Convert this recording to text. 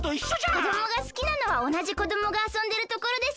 こどもがすきなのはおなじこどもがあそんでるところです。